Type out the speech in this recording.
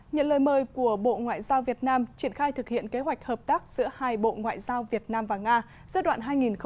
nhận lời mời của bộ ngoại giao việt nam triển khai thực hiện kế hoạch hợp tác giữa hai bộ ngoại giao việt nam và nga giai đoạn hai nghìn một mươi chín hai nghìn hai mươi năm